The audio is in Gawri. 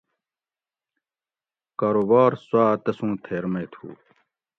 کاروبار سوآۤ تسوں تھیر مئی تھو